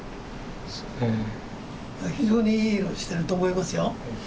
非常にいい色してると思いますよ。